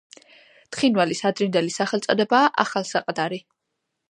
თხინვალის ადრინდელი სახელწოდებაა ახალსაყდარი.